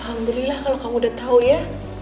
alhamdulillah kalo kamu udah tau ya